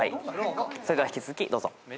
それでは引き続きどうぞ。